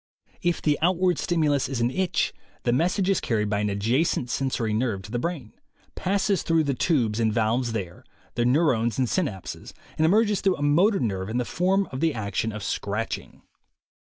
If the outward stimulus is an itch, the message is carried by an adjacent sensory nerve to the brain, passes through the tubes and valves there, the neu rones and synapses, and emerges through a motor nerve in the form of the action of scratching.